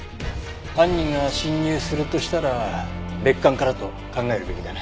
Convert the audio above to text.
犯人が侵入するとしたら別館からと考えるべきだな。